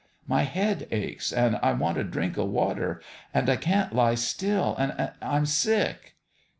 My head aches and I want a drink of water and I can't lie still and I'm sick."